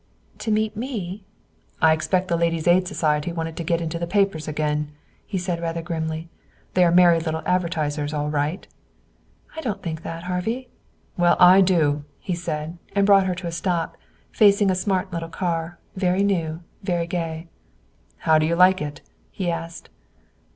"To meet me?" "I expect the Ladies' Aid Society wanted to get into the papers again," he said rather grimly. "They are merry little advertisers, all right." "I don't think that, Harvey." "Well, I do," he said, and brought her to a stop facing a smart little car, very new, very gay. "How do you like it?" he asked.